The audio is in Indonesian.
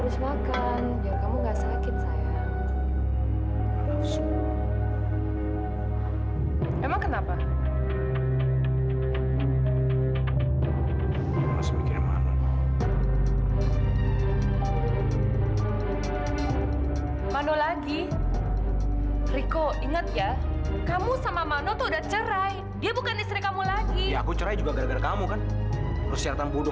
sampai jumpa di video selanjutnya